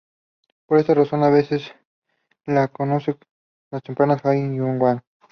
Por esta razón a veces se la conoce como temperatura de Hawking-Unruh.